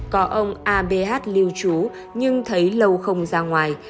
có ông a b h lưu trú nhưng thấy lâu không ra ngoài